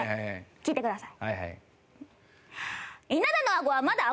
聞いてください。